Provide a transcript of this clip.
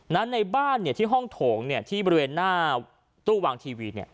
ในบ้านที่ห้องโถงที่บริเวณหน้าตู้วางทีวี